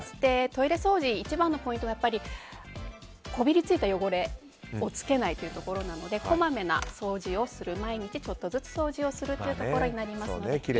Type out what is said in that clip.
トイレ掃除、一番のポイントはこびりついた汚れをつけないというところなのでこまめな掃除をする毎日ちょっとずつ掃除するというところになりますので。